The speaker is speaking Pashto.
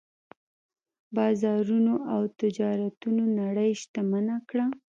بازارونو او تجارتونو نړۍ شتمنه کړه.